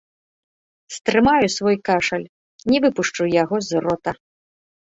Стрымаю свой кашаль, не выпушчу яго з рота.